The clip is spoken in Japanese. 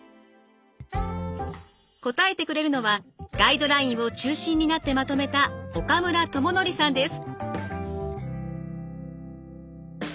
答えてくれるのはガイドラインを中心になってまとめた岡村智教さんです。